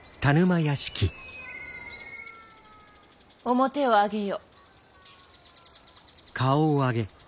面を上げよ。